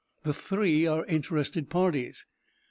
"The three are interested parties."